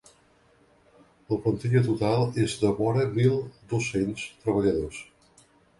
La plantilla total és de vora mil dos-cents treballadors.